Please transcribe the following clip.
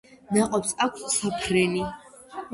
ნაყოფს აქვს საფრენი.